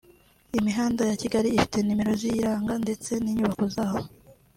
Imihanda ya Kigali ifite nimero ziyiranga ndetse n’inyubako zaho